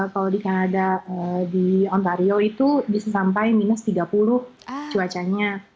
kalau di kanada di ontario itu bisa sampai minus tiga puluh cuacanya